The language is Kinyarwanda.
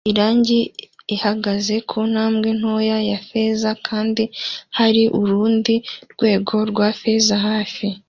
Irangi ihagaze ku ntambwe ntoya ya feza kandi hari urundi rwego rwa feza hafi